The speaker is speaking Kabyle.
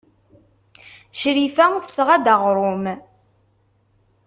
Crifa tesɣa-d aɣrum.